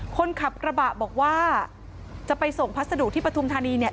คนขับกระบะบอกว่าจะไปส่งพัสดุที่ปฐุมธานีเนี่ย